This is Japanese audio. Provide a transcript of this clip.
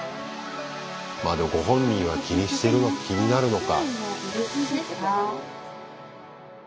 まあでもご本人は気にして気になるのか。